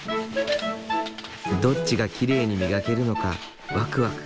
どっちがきれいに磨けるのかワクワク。